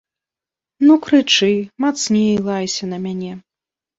Ну крычы, мацней лайся на мяне.